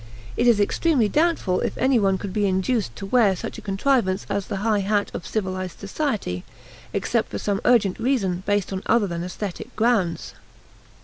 It is extremely doubtful if any one could be induced to wear such a contrivance as the high hat of civilized society, except for some urgent reason based on other than aesthetic grounds.